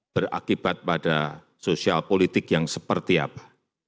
berakibat pada sosial politik yang seperti apa